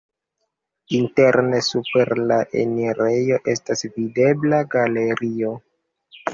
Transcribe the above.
Interne super la enirejo estas videbla galerio.